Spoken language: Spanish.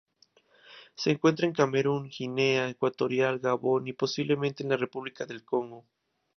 Se encuentra en Camerún, Guinea Ecuatorial, Gabón y, posiblemente en la República del Congo.